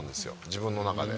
自分の中で。